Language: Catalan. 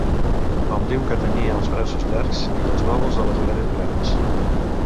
Hom diu que tenia els braços llargs i els lòbuls de les orelles grans.